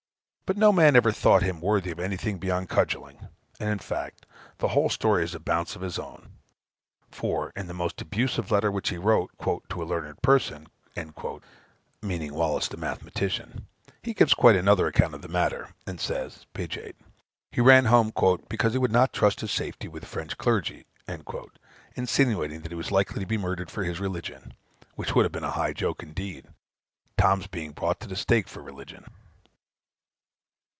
But no man ever thought him worthy of anything beyond cudgelling. And, in fact, the whole story is a bounce of his own. For, in a most abusive letter which he wrote "to a learned person," (meaning Wallis the mathematician,) he gives quite another account of the matter, and says (p. 8,) he ran home "because he would not trust his safety with the French clergy;" insinuating that he was likely to be murdered for his religion, which would have been a high joke indeed Tom's being brought to the stake for religion.